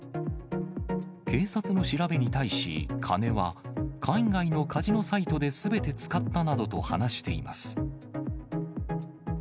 警察の調べに対し、金は、海外のカジノサイトですべて使ったなどと話しています。